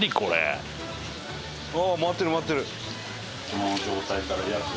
ああ回ってる回ってる。